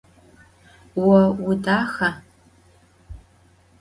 Vo vudaxa?